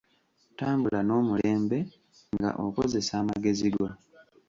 Tambula n'omulembe nga okozesa amagezi go.